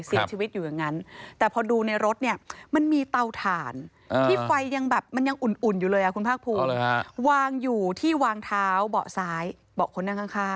เสียชีวิตอยู่อย่างงั้น